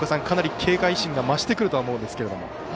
かなり警戒心が増してくると思いますが。